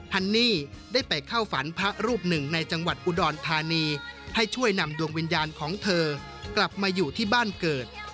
ฮันนี่ได้ไปเข้าฝันพระรูปหนึ่งในจังหวัดอุดรธานีให้ช่วยนำดวงวิญญาณของเธอกลับมาอยู่ที่บ้านเกิด